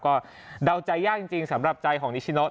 ก็เดาใจยากจริงสำหรับใจของนิชิโน